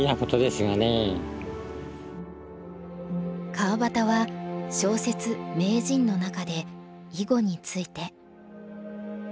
川端は小説「名人」の中で囲碁について。